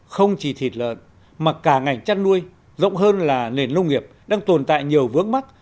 không chỉ thịt lợn mà cả ngành chăn nuôi rộng hơn là nền nông nghiệp đang tồn tại nhiều vướng mắt